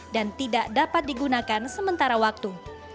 dan tidak dapat digunakan sementara waktu